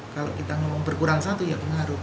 kalau kita ngomong berkurang satu ya pengaruh